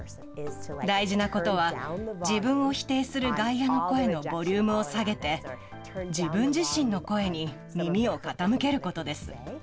大事なことは、自分を否定する外野の声のボリュームを下げて、自分自身の声に耳を傾けることです。